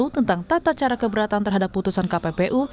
tentang tata cara keberatan terhadap putusan kppu